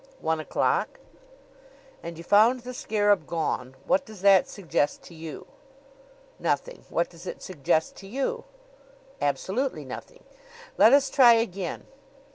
"One o'clock." "And you found the scarab gone. What does that suggest to you?" "Nothing. What does it suggest to you?" "Absolutely nothing. Let us try again.